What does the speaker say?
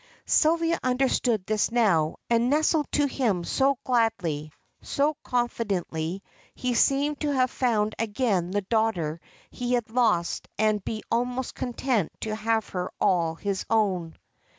Sylvia understood this now, and nestled to him so gladly, so confidingly, he seemed to have found again the daughter he had lost and be almost content to have her all his own.